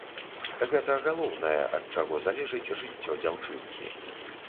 Гэта галоўнае, ад чаго залежыць жыццё дзяўчынкі.